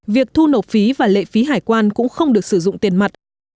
việc thu nộp phí và lệ phí hải quan cũng không được sử dụng tiền mặt